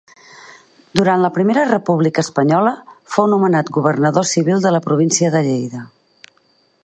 Durant la Primera República Espanyola fou nomenat governador civil de la província de Lleida.